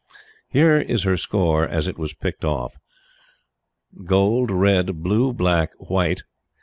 Here is her score as it was picked off: Gold. Red. Blue. Black. White.